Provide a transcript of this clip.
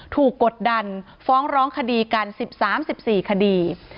กดดันฟ้องร้องคดีกัน๑๓๑๔คดี